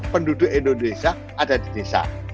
penduduk indonesia ada di desa